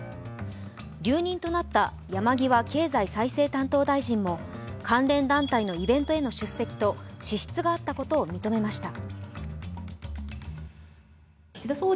留任となった山際経済再生担当大臣も関連団体のイベントへの出席と支出があったことを認めました。